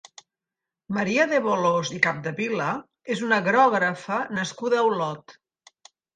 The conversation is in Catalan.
Maria de Bolòs i Capdevila és una grògrafa nascuda a Olot.